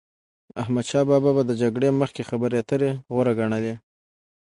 احمدشا بابا به د جګړی مخکي خبري اتري غوره ګڼلې.